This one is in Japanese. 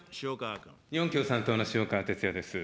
日本共産党の塩川鉄也です。